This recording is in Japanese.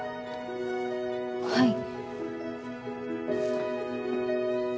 はい。